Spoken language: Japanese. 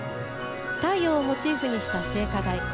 太陽をモチーフにした聖火台。